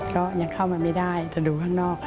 ก็ยังเข้ามาไม่ได้แต่ดูข้างนอก